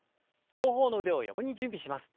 両方の腕を横に準備します。